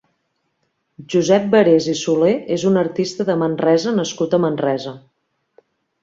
Josep Barés i Soler és un artista de Manresa nascut a Manresa.